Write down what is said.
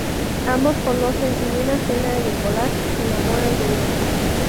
Ambos conocen en una cena a Nicolas, y se enamoran de este.